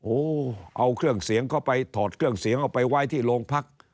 โอ้โหเอาเครื่องเสียงเข้าไปถอดเครื่องเสียงเอาไปไว้ที่โรงพัก